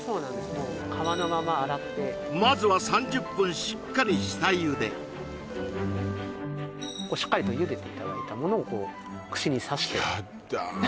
もう皮のまま洗ってまずは３０分しっかり下茹でしっかりと茹でていただいたものをこう串に刺してやっだ